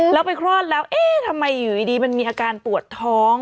แล้วไปคลอดแล้วเอ๊ะทำไมอยู่ดีมันมีอาการปวดท้อง